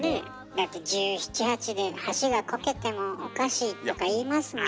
だって１７１８で箸がこけてもおかしいとか言いますもんね。